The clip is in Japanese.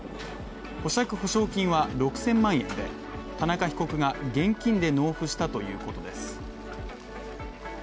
保釈保証金は６０００万円で、田中被告が現金で納付したということです。